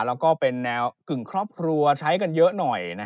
แล้วก็เป็นแนวกึ่งครอบครัวใช้กันเยอะหน่อย